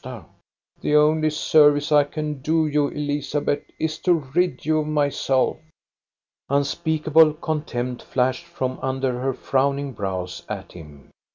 The only service I can do you, Elizabeth, is to rid you of myself." Unspeakable contempt flashed from under her frowning brows at him.